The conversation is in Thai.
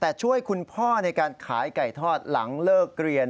แต่ช่วยคุณพ่อในการขายไก่ทอดหลังเลิกเรียน